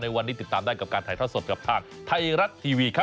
วันนี้ติดตามได้กับการถ่ายทอดสดกับทางไทยรัฐทีวีครับ